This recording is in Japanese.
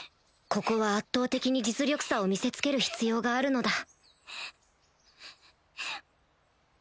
ここは圧倒的に実力差を見せつける必要があるのだ